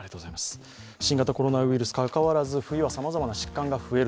新型コロナウイルスにかかわらず冬はさまざまな疾患が増える。